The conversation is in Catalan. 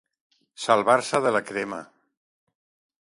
Salvar-se de la crema.